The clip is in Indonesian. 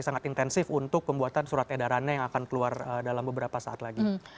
sangat intensif untuk pembuatan surat edarannya yang akan keluar dalam beberapa saat lagi